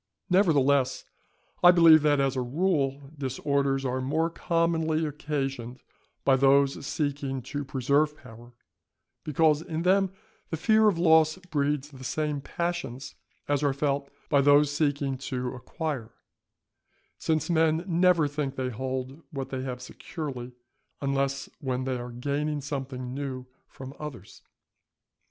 Nevertheless, I believe that, as a rule, disorders are more commonly occasioned by those seeking to preserve power, because in them the fear of loss breeds the same passions as are felt by those seeking to acquire; since men never think they hold what they have securely, unless when they are gaining something new from others.